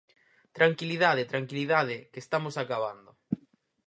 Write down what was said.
Tranquilidade, tranquilidade, que estamos acabando.